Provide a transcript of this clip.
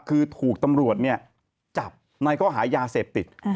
คือถูกตำรวจเนี่ยจับแล้วเขาหายาเสพติด